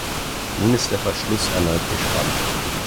Nun ist der Verschluss erneut gespannt.